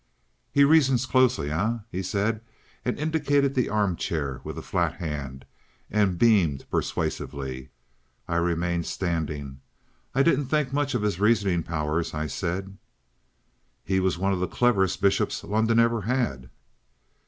"He reasons closely, eh?" he said, and indicated the armchair with a flat hand, and beamed persuasively. I remained standing. "I didn't think much of his reasoning powers," I said. "He was one of the cleverest bishops London ever had."